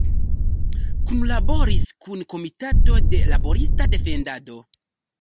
Kunlaboris kun Komitato de Laborista Defendado.